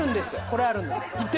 これあるんですよ。